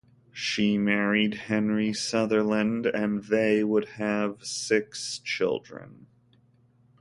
She married Henry Sutherland and they would have six children.